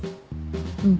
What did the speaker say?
うん